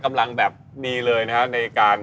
กำลังแบบดีเลยนะฮะในการ